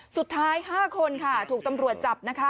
สุดท้าย๕คนค่ะถูกตำรวจจับนะคะ